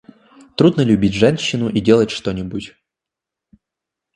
Трудно любить женщину и делать что-нибудь.